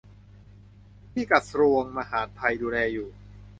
ที่กระทรวงมหาดไทยดูแลอยู่